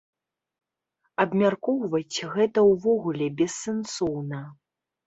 Абмяркоўваць гэта ўвогуле бессэнсоўна.